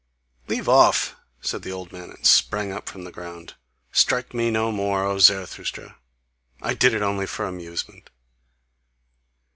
"Leave off," said the old man, and sprang up from the ground, "strike me no more, O Zarathustra! I did it only for amusement!